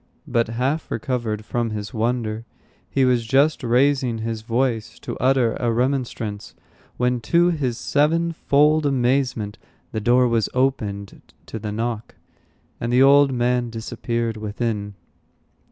But half recovered from his wonder, he was just raising his voice to utter a remonstrance, when, to his sevenfold amazement, the door was opened to the knock, and the old man disappeared within.